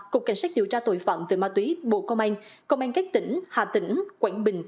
cục cảnh sát điều tra tội phạm về ma túy bộ công an công an các tỉnh hà tĩnh quảng bình